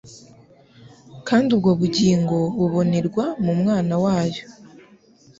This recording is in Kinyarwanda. kandi ubwo bugingo bubonerwa mu Mwana wayo.